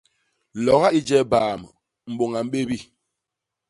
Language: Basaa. Loga i je baam, mbôñ a mbébi.